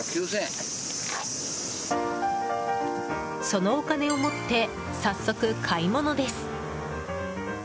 そのお金を持って早速、買い物です。